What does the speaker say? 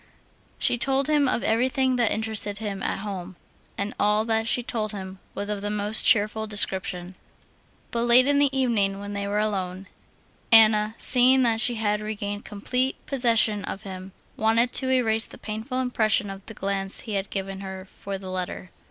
She told him of everything that interested him at home; and all that she told him was of the most cheerful description. But late in the evening, when they were alone, Anna, seeing that she had regained complete possession of him, wanted to erase the painful impression of the glance he had given her for her letter.